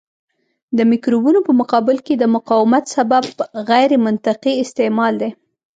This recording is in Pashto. د مکروبونو په مقابل کې د مقاومت سبب غیرمنطقي استعمال دی.